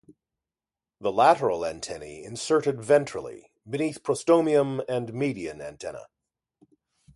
The lateral antennae inserted ventrally (beneath prostomium and median antenna).